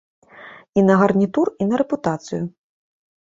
І на гарнітур, і на рэпутацыю.